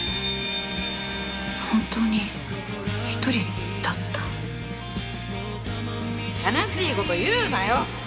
本当に１人だった悲しいこと言うなよ